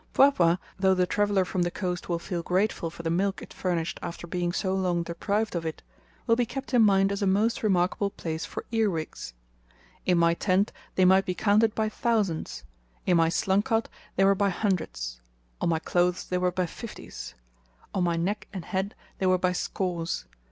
Mpwapwa, though the traveller from the coast will feel grateful for the milk it furnished after being so long deprived of it, will be kept in mind as a most remarkable place for earwigs. In my tent they might be counted by thousands; in my slung cot they were by hundreds; on my clothes they were by fifties; on my neck and head they were by scores.